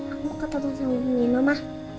aku mau ketemu sama nino ma